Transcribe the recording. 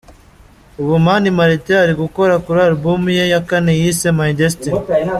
Ubu Mani Martin ari gukora kuri Album ye ya kane yise My Destiny.